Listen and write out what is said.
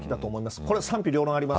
これは賛否両論あります。